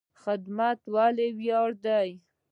خدمت ولې ویاړ دی؟